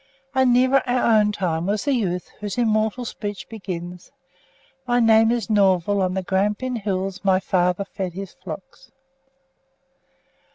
And nearer our own time was the youth whose immortal speech begins, "My name is Norval; on the Grampian Hills my father fed his flocks."